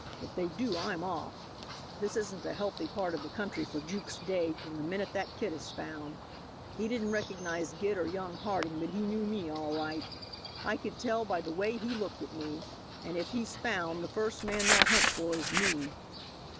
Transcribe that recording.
If they do, I'm off. This isn't a healthy part of the country for Jukes Dade from the minute that kid is found. He didn't recognize Gid or young Harding, but he knew me all right. I could tell it by the way he looked at me, and if he's found the first man they'll hunt for is me."